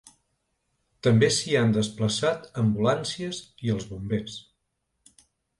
També s’hi han desplaçat ambulàncies i els bombers.